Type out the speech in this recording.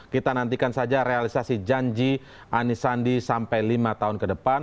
kita nantikan saja realisasi janji anis sandi sampai lima tahun ke depan